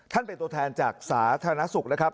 เป็นตัวแทนจากสาธารณสุขนะครับ